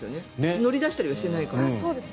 乗り出したりしてないから。